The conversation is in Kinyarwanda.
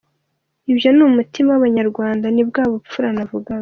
Ibyo ni umutima wabanyarwanda, ni bwa bupfura navugaga.”